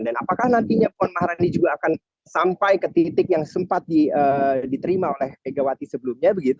dan apakah nantinya puan mahalani juga akan sampai ke titik yang sempat diterima oleh megawati sebelumnya